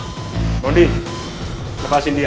kamu mau tau saya siapa sebenarnya